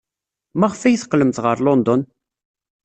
Maɣef ay teqqlemt ɣer London?